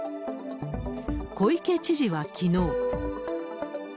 小池知事はきのう。